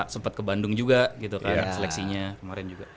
sempat ke bandung juga gitu kan seleksinya kemarin juga